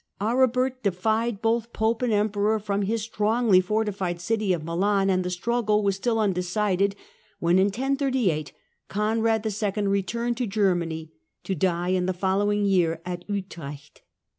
Aribert defied both Pope and Emperor from his strongly fortified city of Milan, and the struggle was still undecided when, in 1038, Conrad II. returned to Germany, to die in the following year, at Utrecht.